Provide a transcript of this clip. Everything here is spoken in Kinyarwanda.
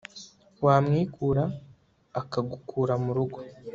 wamwikura akagukura mu rugo